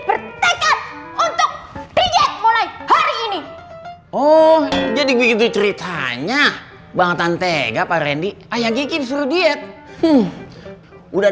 bertekad untuk diet mulai hari ini oh jadi begitu ceritanya bang tan tega pak rendy ayah kiki disuruh